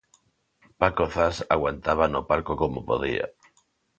Paco Zas aguantaba no palco como podía.